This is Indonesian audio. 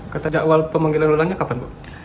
kata dakwal pemanggilan ulangnya kapan